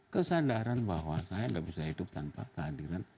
kesadaran bahwa saya gak bisa hidup tanpa kehadiran